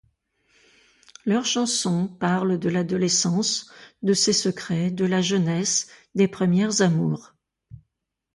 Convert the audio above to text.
Leurs chansons parlent de l'adolescence, de ses secrets, de la jeunesse, des premières amours...